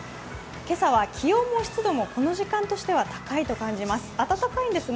今朝は気温も湿度もこの時間としては高いと感じます。